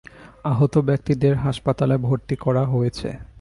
আহত ব্যক্তিদের হাসপাতালে ভর্তি করা হয়েছে।